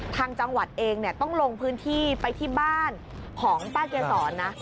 ทางจังหวัดเองต้องลงพื้นที่ไปที่บ้านของป้าเกษรนะ